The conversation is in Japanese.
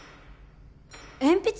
鉛筆？